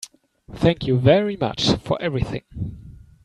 Thank you very much for everything.